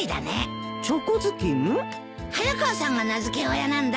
早川さんが名付け親なんだ。